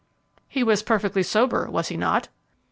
"He was perfectly sober, was he not?"